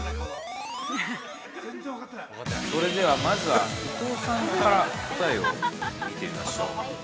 ◆それではまずは、伊藤さんから答えを見てみましょう。